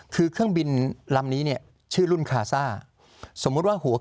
คือเครื่องบินลำนี้เนี่ยชื่อรุ่นคาซ่า